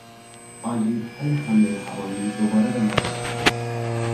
آژیرهای حملهی هوایی دوباره به ناله درآمدند.